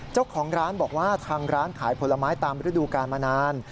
เจ้าของร้านบอกว่าทางร้านขายผลไม้ตามฤดูกาลมานาน